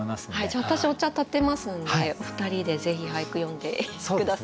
じゃあ私お茶たてますんでお二人でぜひ俳句詠んで下さい。